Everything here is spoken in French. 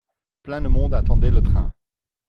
Plein de monde attendait le train.